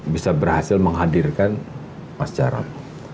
bisa berhasil menghadirkan mas jarod